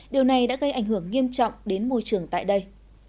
điều này đã gây ảnh hưởng nghiêm trọng đến môi trường tại đây